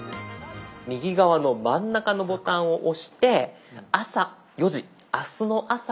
右側の真ん中のボタンを押して「朝４時明日の朝４時に起こして」。